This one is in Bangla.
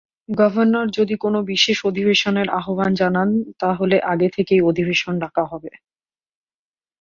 গভর্নর যদি কোনো বিশেষ অধিবেশনের আহ্বান জানান, তা হলে আগে থেকেই অধিবেশন ডাকা হবে।